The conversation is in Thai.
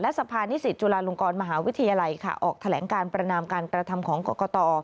สภานิสิตจุฬาลงกรมหาวิทยาลัยค่ะออกแถลงการประนามการกระทำของกรกต